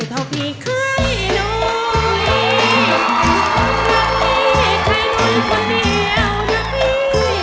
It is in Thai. รักพี่แค่นี้คนเดียวนะพี่